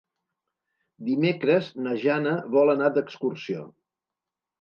Dimecres na Jana vol anar d'excursió.